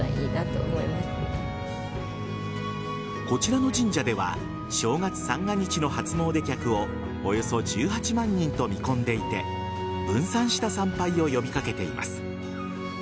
こちらの神社では正月三が日の初詣客をおよそ１８万人と見込んでいて分散した参拝を呼び掛けています。